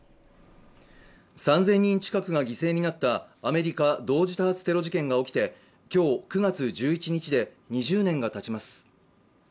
３０００人近くが犠牲になったアメリカ同時多発テロ事件が起きて、今日９月１１日で２０年がたちます。